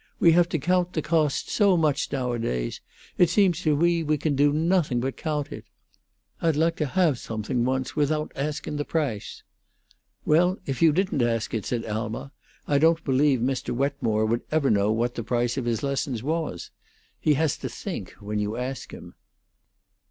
we have to cyoant the coast so much nowadays; it seems to me we do nothing but cyoant it. Ah'd like to hah something once without askin' the price." "Well, if you didn't ask it," said Alma, "I don't believe Mr. Wetmore would ever know what the price of his lessons was. He has to think, when you ask him."